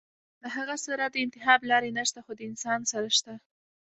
د هغه سره د انتخاب لارې نشته خو د انسان سره شته -